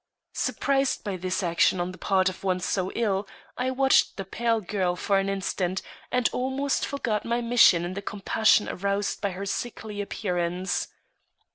Surprised by this action on the part of one so ill, I watched the pale girl for an instant, and almost forgot my mission in the compassion aroused by her sickly appearance.